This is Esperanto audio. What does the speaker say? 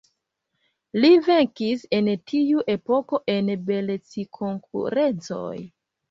Li venkis en tiu epoko en beleckonkurencoj.